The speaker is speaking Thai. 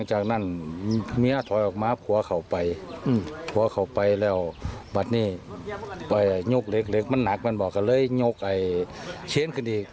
เหล็กลับบันไอลุ้มนยกเหล็กเล็กมันหนักมันบอกกันเลยยกไอแฉ้นกันสิ